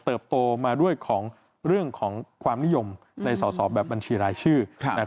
โตมาด้วยของเรื่องของความนิยมในสอสอแบบบัญชีรายชื่อ